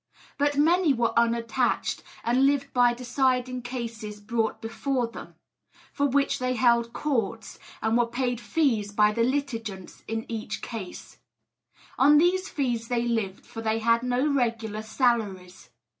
But many were unattached, and lived by deciding cases brought before them; for which they held courts, and were paid fees by the litigants in each case. On these fees they lived, for they had no regular salaries.